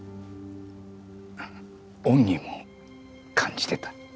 恩義も感じてた。